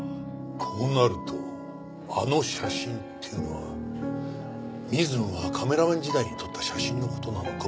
こうなるとあの写真っていうのは水野がカメラマン時代に撮った写真の事なのかもしれない。